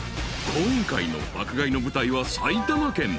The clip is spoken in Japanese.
［今回の爆買いの舞台は埼玉県］